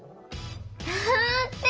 だって！